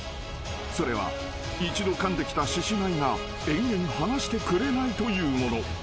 ［それは一度かんできた獅子舞が延々放してくれないというもの］